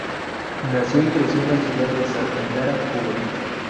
Nació y creció en la ciudad de Santa Clara, Cuba.